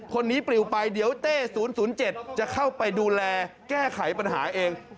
คนนี้ปลิวไปเดี๋ยวเต้๐๐๗จะเข้าไปดูแลแก้ไขปัญหาเอง